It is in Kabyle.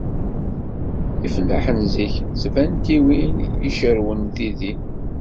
Ifellaḥen zik, s tbantiwin i d-cerrwen tidi